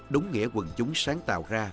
đúng nghĩa quần chúng sáng tạo ra